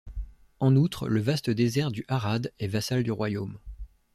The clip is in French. En outre, le vaste désert du Harad est vassal du royaume.